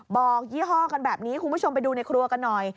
ยี่ห้อกันแบบนี้คุณผู้ชมไปดูในครัวกันหน่อย